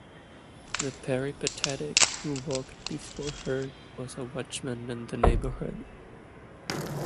The peripatetic who walked before her was a watchman in the neighbourhood.